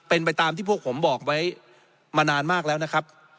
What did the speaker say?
เป็นไปตามที่พวกผมบอกไว้มานานมากแล้วนะครับ